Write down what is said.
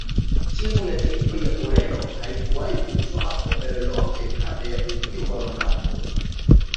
timu ya taifa ya ureno haikuwahi kutwaa kombe lolote kabla ya ujio wa ronaldo